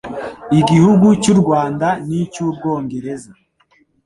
igihugu cy u rwanda n icy ubwongereza